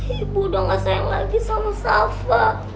ibu udah gak sayang lagi sama safa